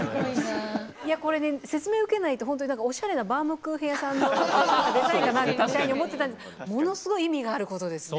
これね説明受けないとおしゃれなバウムクーヘン屋さんのデザインかなみたいに思ってたんですけどものすごい意味があることですね。